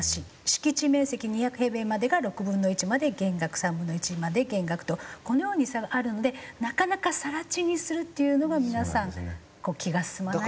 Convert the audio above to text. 敷地面積２００平米までが６分の１まで減額３分の１まで減額とこのように差があるのでなかなか更地にするっていうのが皆さん気が進まないっていうか。